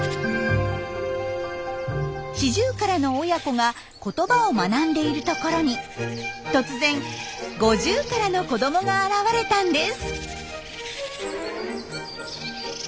シジュウカラの親子が言葉を学んでいるところに突然ゴジュウカラの子どもが現れたんです。